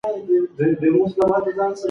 تاسي باید د ساینسي اصطلاحاتو مانا زده کړئ.